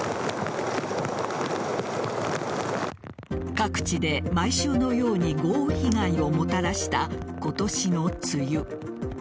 各地で毎週のように豪雨被害をもたらした今年の梅雨。